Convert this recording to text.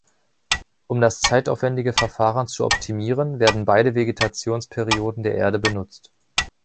Um das zeitaufwendige Verfahren zu optimieren, werden beide Vegetationsperioden der Erde benutzt.